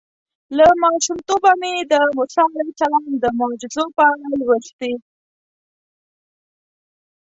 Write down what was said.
له ماشومتوبه مې د موسی علیه السلام د معجزو په اړه لوستي.